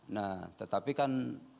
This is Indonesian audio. nah tetapi kan